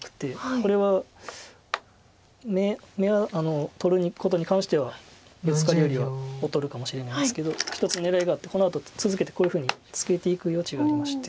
これは眼を取ることに関してはブツカリよりは劣るかもしれないんですけど１つ狙いがあってこのあと続けてこういうふうにツケていく余地がありまして。